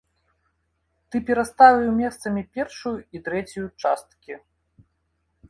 Ты пераставіў месцамі першую і трэцюю часткі.